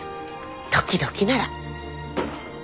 時々なら。